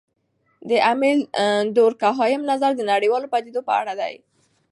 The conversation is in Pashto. د امیل دورکهايم نظر د نړیوالو پدیدو په اړه دی.